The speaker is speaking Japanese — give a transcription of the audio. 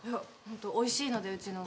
おいしいのでうちのは。